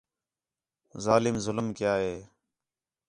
ظالم ظلم کیا ہِے